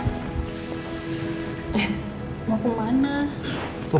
eh mau kemana